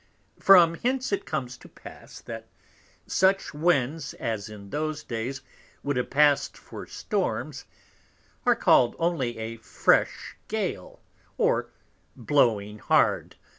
From hence it comes to pass, that such Winds as in those Days wou'd have pass'd for Storms, are called only a Fresh gale, or Blowing hard.